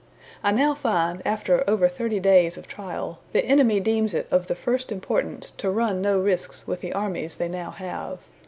I now find, after over thirty days of trial, the enemy deems it of the first importance to run no risks with the armies they now have.